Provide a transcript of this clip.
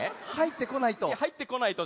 はいってこないと。